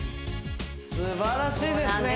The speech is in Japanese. すばらしいですね